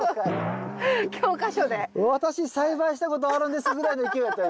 私栽培したことあるんですぐらいの勢いだったよ